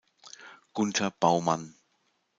Gunter Baumann